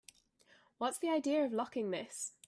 What's the idea of locking this?